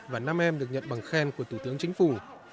và năm em được nhận bằng khen của thủ tướng chính phủ